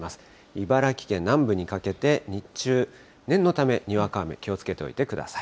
茨城県南部にかけて、日中、念のため、にわか雨、気をつけておいてください。